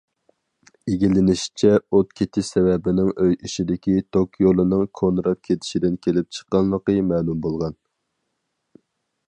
ئىگىلىنىشىچە، ئوت كېتىش سەۋەبىنىڭ ئۆي ئىچىدىكى توك يولىنىڭ كونىراپ كېتىشىدىن كېلىپ چىققانلىقى مەلۇم بولغان.